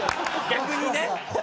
逆にね。